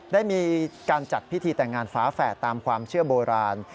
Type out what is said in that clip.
ได้มีการจัดพิธีแต่งงานฟ้าแฝดตามความเชื่อโบราณ